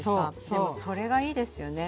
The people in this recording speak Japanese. でもそれがいいですよね。